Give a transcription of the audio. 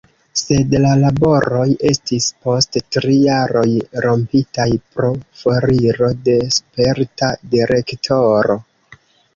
Sed la laboroj estis post tri jaroj rompitaj pro foriro de sperta direktoro.